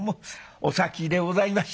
お先でございまして」。